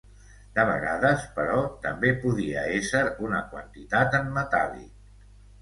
De vegades, però, també podia ésser una quantitat en metàl·lic.